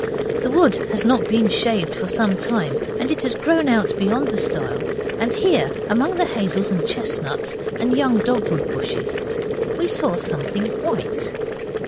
The wood has not been shaved for some time, and it has grown out beyond the stile and here, among the hazels and chestnuts and young dogwood bushes, we saw something white.